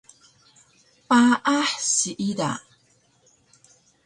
Paah siida